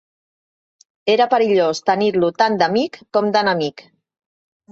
Era perillós tenir-lo tant d'amic com d'enemic.